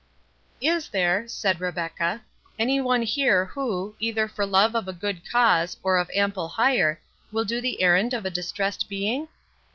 "Is there," said Rebecca, "any one here, who, either for love of a good cause, or for ample hire, will do the errand of a distressed being?"